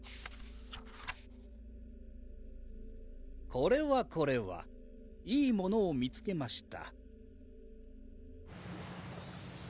これはこれはいいものを見つけました